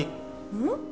うん？